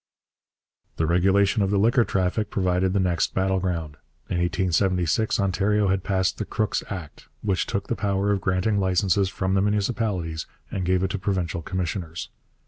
The regulation of the liquor traffic provided the next battle ground. In 1876 Ontario had passed the Crooks Act, which took the power of granting licences from the municipalities and gave it to provincial commissioners.